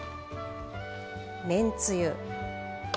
めんつゆ。